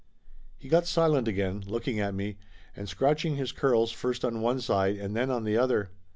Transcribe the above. He got silent again, looking at me and scratching his curls first on one side and then on the other.